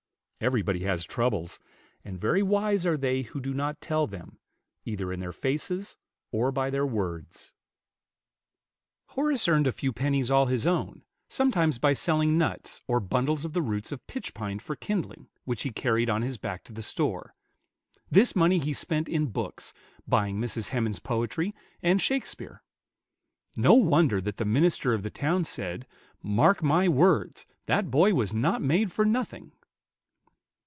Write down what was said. Everybody has troubles; and very wise are they who do not tell them, either in their faces or by their words. Horace earned a few pennies all his own; sometimes by selling nuts, or bundles of the roots of pitch pine for kindling, which he carried on his back to the store. This money he spent in books, buying Mrs. Hemans's poetry and "Shakspeare." No wonder that the minister of the town said, "Mark my words; that boy was not made for nothing."